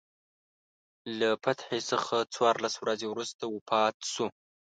له فتحې څخه څوارلس ورځې وروسته وفات شو.